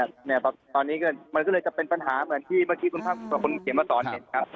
ใช่ครับมันก็เลยเป็นปัญหาเหมือนที่เมื่อกี้คุณภาพของตรฐานเห็นครับ